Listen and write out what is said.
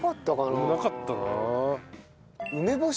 俺もなかったな。